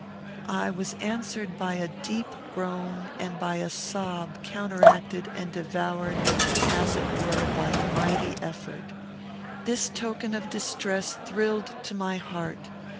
I was answered by a deep groan, and by a sob counteracted and devoured as it were by a mighty effort. This token of distress thrilled to my heart.